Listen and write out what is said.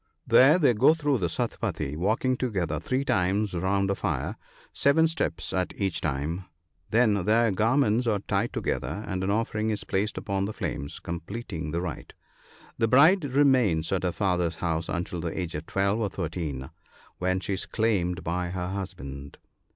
There they go through the suptnpadi y walking together three times round a fire, seven steps at each time ; then their garments are tied together, and an offering is placed upon the flames, completing the rite. The bride remains at her father's house until the age of twelve or thirteen, when she is claimed by her husband.